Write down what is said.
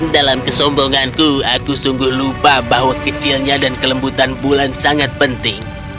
dalam kesombonganku aku sungguh lupa bahwa kecilnya dan kelembutan bulan sangat penting